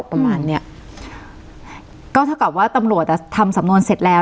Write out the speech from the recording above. ประมาณเนี้ยก็เท่ากับว่าตำรวจอ่ะทำสำนวนเสร็จแล้ว